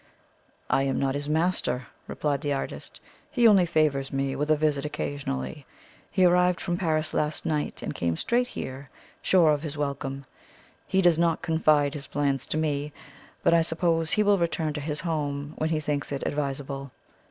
"I am not his master," replied the artist. "He only favours me with a visit occasionally. He arrived from Paris last night, and came straight here, sure of his welcome. He does not confide his plans to me, but I suppose he will return to his home when he thinks it advisable.